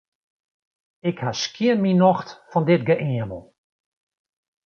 Ik ha skjin myn nocht fan dit geëamel.